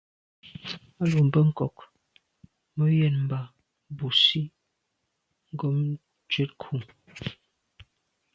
A lo mbe nkôg me yen mba busi ghom tshetku.